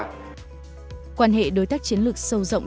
nhật bản là đối tác chiến lược sâu rộng